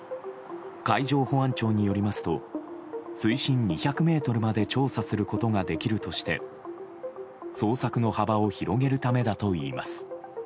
海上保安庁によりますと水深２００ｍまで調査することができるとして捜索の幅を広げるためだといいます。